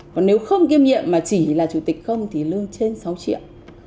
còn nếu không kiêm nhiệm mà chỉ là chủ tịch không thì lương trên sáu triệu